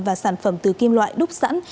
và sản phẩm từ kim loại đúc sẵn